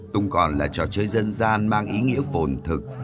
tung còn là trò chơi dân gian mang ý nghĩa phổn thực